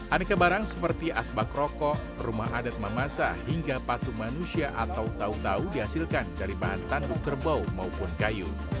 aneka barang seperti asbak rokok rumah adat mamasa hingga patu manusia atau tau tau dihasilkan dari bahan tanduk kerbau maupun kayu